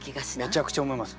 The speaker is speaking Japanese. めちゃくちゃ思います。